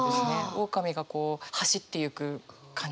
オオカミがこう走っていく感じ。